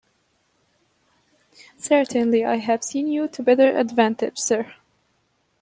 Certainly I have seen you to better advantage, sir.